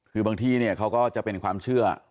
คือบางที่เนี่ยเขาก็จะเป็นความเชื่อ